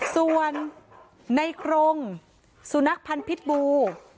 ส่วนในกรงสุนัขพันธ์พิษบู